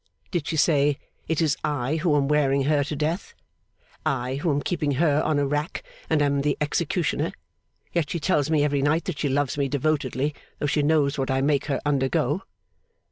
Did she say, 'It is I who am wearing her to death, I who am keeping her on a rack and am the executioner, yet she tells me every night that she loves me devotedly, though she knows what I make her undergo?